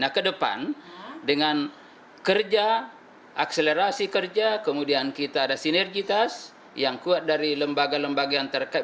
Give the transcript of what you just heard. nah ke depan dengan kerja akselerasi kerja kemudian kita ada sinergitas yang kuat dari lembaga lembaga yang terkait